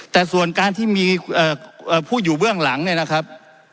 แต่ส่วนการที่มีผู้อยู่เบื้องหลังเนี่ยนะครับ